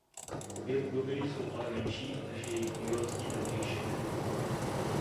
Obě budovy jsou ale menší než jejich newyorský protějšek.